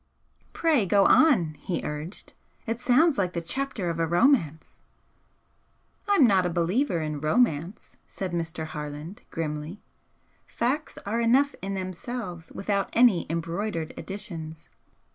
"Pray go on!" he urged "It sounds like the chapter of a romance." "I'm not a believer in romance," said Mr. Harland, grimly "Facts are enough in themselves without any embroidered additions.